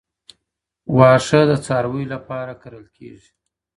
وښه د څارویو لپاره کرل کېږي.